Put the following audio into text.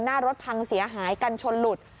หน้ารถพังเสียหายกันชนหลุด